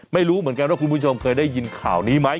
ไม่รู้เหมือนกันว่าคุณผู้ชมเคยได้ยินข่าวนี้ไหม